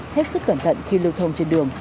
hết sức cẩn thận khi lưu thông trên đường